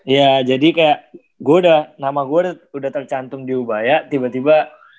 iya jadi kayak gue udah nama gue udah tercantum di ubaya tiba tiba